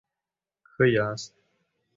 ښه یاست؟